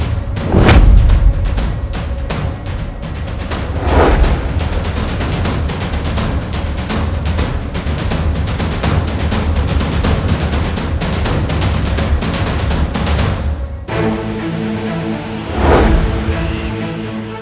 aku raikian santan